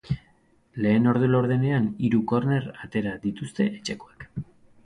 Lehen ordu laurdenean, hiru korner atera dituzte etxekoek.